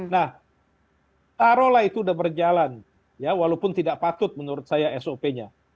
nah taruhlah itu sudah berjalan ya walaupun tidak patut menurut saya sop nya